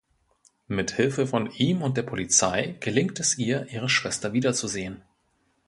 Mit Hilfe von ihm und der Polizei gelingt es ihr, ihre Schwester wiederzusehen.